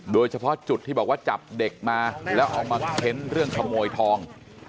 โดยเฉพาะจุดที่บอกว่าจับเด็กมาแล้วเอามาเค้นเรื่องขโมยทอง